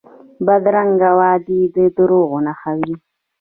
بدرنګه وعدې د دروغو نښه وي